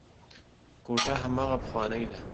کوټه هماغه پخوانۍ ده.